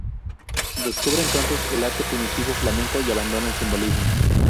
Descubre entonces el arte primitivo flamenco y abandona el simbolismo.